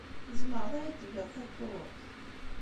Tezemreḍ ad iyi-d telliḍ tawwurt?